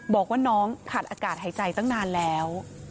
บอกว่าน้องขาดอากาศหายใจตั้งนานแล้ว